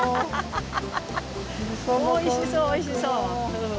おいしそうおいしそう。